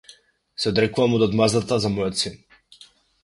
Се одрекувам од одмаздата за мојот син.